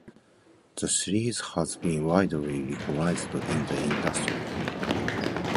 The series has been widely recognized in the industry.